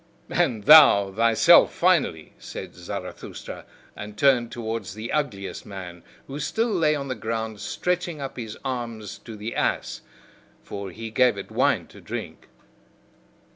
"And thou thyself, finally," said Zarathustra, and turned towards the ugliest man, who still lay on the ground stretching up his arm to the ass (for he gave it wine to drink).